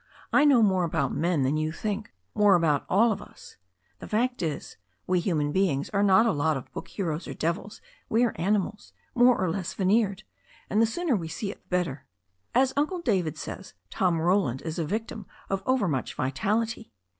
I know more about men than you think, more about all of us. The fact is, we hum^n beings are not a lot of book heroes or devib, we are animals, more or less veneered, and the sooner we see it the better. As Uncle David says, Tom Roland is a victim of overmuch vitality.